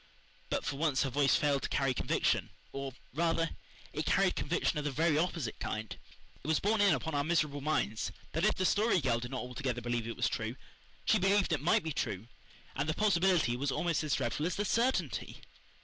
But for once her voice failed to carry conviction or, rather, it carried conviction of the very opposite kind. It was borne in upon our miserable minds that if the Story Girl did not altogether believe it was true she believed it might be true; and the possibility was almost as dreadful as the certainty.